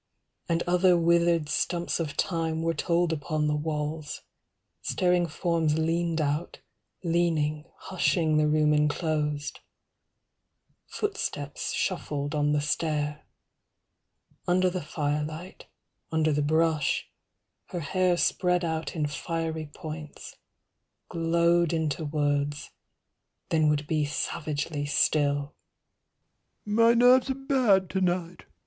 And other withered stumps of time Were told upon the walls; staring forms Leaned out, leaning, hushing the room enclosed. Footsteps shuffled on the stair. Under the firelight, under the brush, her hair Spread out in fiery points Glowed into words, then would be savagely still. 110 "My nerves are bad to night.